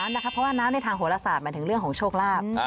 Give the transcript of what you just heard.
น้ำเพราะว่าน้ำทางโหนสรภหมายถึงเรื่องของโชคราบ